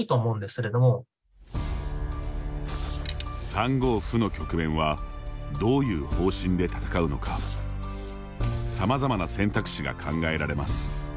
３五歩の局面はどういう方針で戦うのかさまざまな選択肢が考えられます。